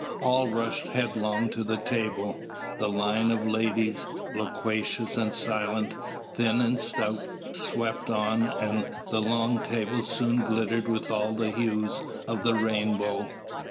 All rushed headlong to table. The line of ladies, loquacious and silent, thin and stout, swept on, and the long table soon glittered with all the hues of the rainbow.